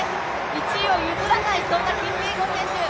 １位を譲らない、そんなキピエゴン選手。